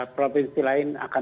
provinsi lain akan